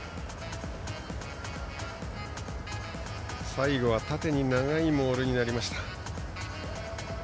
最後は縦に長いモールになりました。